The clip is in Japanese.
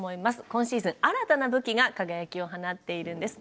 今シーズン新たな武器が輝きを放っているんです。